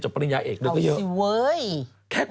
จากกระแสของละครกรุเปสันนิวาสนะฮะ